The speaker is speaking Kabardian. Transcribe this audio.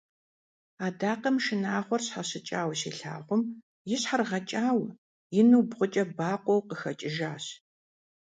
Адакъэм шынагъуэр щхьэщыкӀауэ щилъагъум, и щхьэр гъэкӀауэ, ину бгъукӀэ бакъуэу къыхэкӀыжащ.